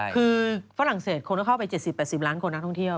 คือฝรั่งเศสคนก็เข้าไป๗๐๘๐ล้านคนนักท่องเที่ยว